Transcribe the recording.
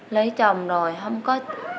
lấy chồng rồi không có